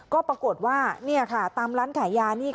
ก็ปรากฏว่านี่ค่ะตามร้านขายยานี่